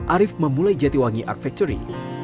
arief memulai jatiwangi art factory